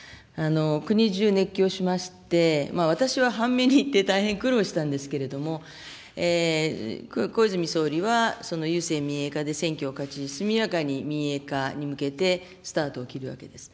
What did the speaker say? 国中、熱狂しまして、私は大変苦労したんですけれども、小泉総理はその郵政民営化で選挙を勝ち、速やかに民営化に向けて、スタートを切るわけです。